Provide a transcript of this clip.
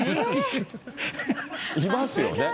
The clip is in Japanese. いますよね。